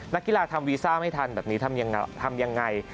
นักกีฬาทำวีซ่าไม่ทันแบบนี้ทำยังไง